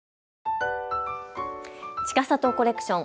ちかさとコレクション。